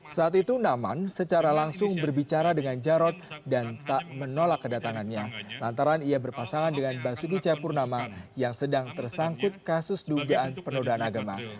saat itu naman secara langsung berbicara dengan jarod dan tak menolak kedatangannya lantaran ia berpasangan dengan basuki cahayapurnama yang sedang tersangkut kasus dugaan penodaan agama